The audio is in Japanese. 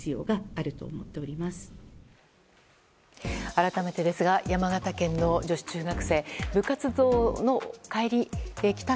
改めてですが山形県の女子中学生部活動の帰宅